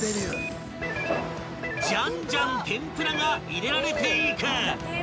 ［じゃんじゃん天ぷらが入れられていく］